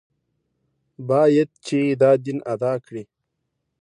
باید چې دا دین ادا کړي.